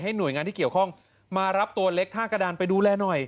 หน่วยงานที่เกี่ยวข้องมารับตัวเล็กท่ากระดานไปดูแลหน่อย